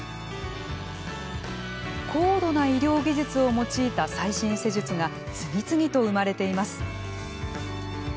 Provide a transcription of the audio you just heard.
高度な医療技術を用いた最新施術が次々と生まれています。